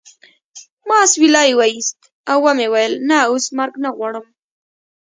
ما اسویلی وایست او و مې ویل نه اوس مرګ نه غواړم